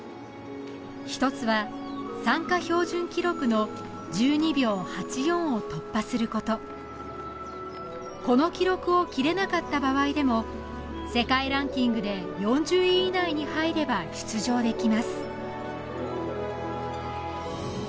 一つは参加標準記録の１２秒８４を突破することこの記録を切れなかった場合でも世界ランキングで４０位以内に入れば出場できます